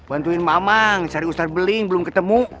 bantuin mama cari ustadz beling belum ketemu